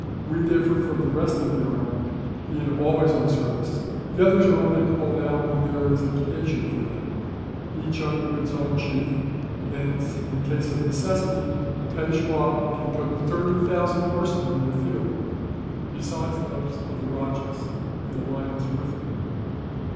We differ from the rest of the army, being always on service; the others are only called out when there is occasion for them, each under its own chief and, in case of necessity, the Peishwa can put thirty thousand horsemen in the field, besides those of the rajahs in alliance with him."